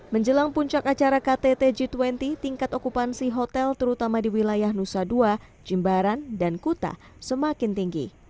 menjelang puncak acara ktt g dua puluh tingkat okupansi hotel terutama di wilayah nusa dua jimbaran dan kuta semakin tinggi